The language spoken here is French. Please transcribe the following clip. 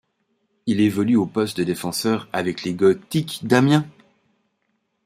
Il évolue au poste de défenseur avec les Gothiques d'Amiens.